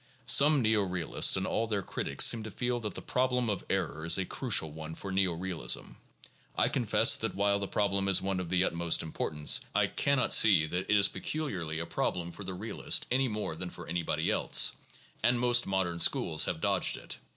Some neo realists and all their critics seem to feel that the problem of error is a crucial one for neo realism. I confess that while the problem is one of the utmost importance, I can not see that it is pecul iarly a problem for the realist any more than for anybody else — and most modern schools have dodged it.